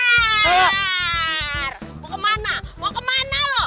mau kemana mau kemana lo